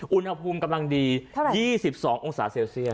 อุณหภูมิกำลังดี๒๒องศาเซลเซียส